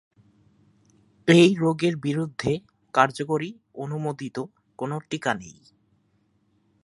এই রোগের বিরুদ্ধে কার্যকরী অনুমোদিত কোনো টিকা নেই।